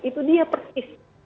itu dia persis